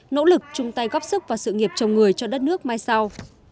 nỗ lực chung tay góp sức và sự nghiệp chồng người cho đất nước mai sau